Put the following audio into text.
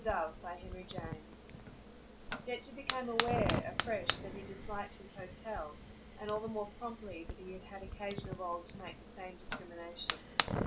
Book Eighth, Chapter 1 Densher became aware, afresh, that he disliked his hotel and all the more promptly that he had had occasion of old to make the same discrimination.